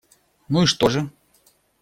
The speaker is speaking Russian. Ну и что же?